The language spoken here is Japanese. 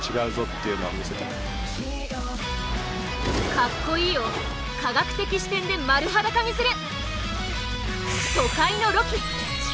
「カッコいい」を科学的視点で丸裸にする。